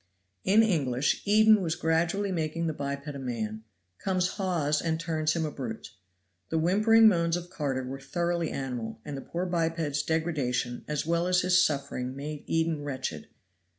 In English, Eden was gradually making the biped a man: comes Hawes and turns him a brute. The whimpering moans of Carter were thoroughly animal, and the poor biped's degradation as well as his suffering made Mr. Eden wretched.